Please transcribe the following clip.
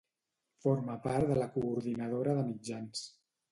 Forma part de la Coordinadora de Mitjans.